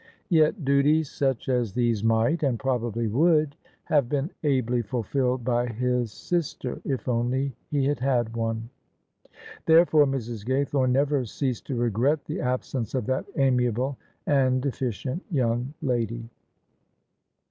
Yet duties such as these might — ^and probably would — ^have been ably fulfilled by his sister, if only he had had one: therefore Mrs. Gay thome never ceased to regret the absence of that amiable and efficient young lady.